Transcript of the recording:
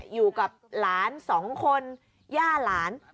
อยู่กับหลานสองคนย่าหลาน